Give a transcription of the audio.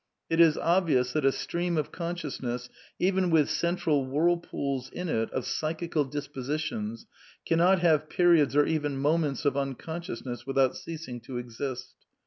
It is obvious that a stream of conscious ness, even with central whirlpools in it of psychical disposi \>^ tions, cannot have periods or even moments of unconscious ^ ness without ceasing to exist.